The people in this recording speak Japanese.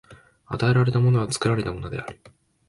与えられたものは作られたものである。